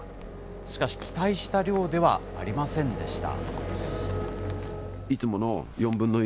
しかし、期待した量ではありませんでした。